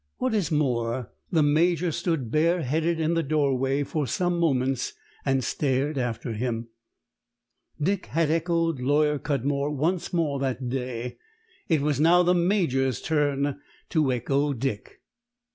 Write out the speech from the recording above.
What is more, the Major stood bareheaded in the doorway for some moments, and stared after him. Dick had echoed Lawyer Cudmore once that day; it was now the Major's turn to echo Dick.